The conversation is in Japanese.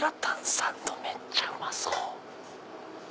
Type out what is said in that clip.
サンドめっちゃうまそう！